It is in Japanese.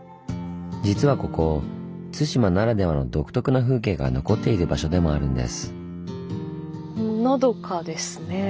実はここ対馬ならではの独特な風景が残っている場所でもあるんです。